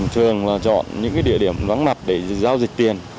thường là chọn những địa điểm vắng mặt để giao dịch tiền